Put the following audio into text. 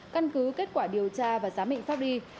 căn cứ kết quả điều tra và giám định pháp đi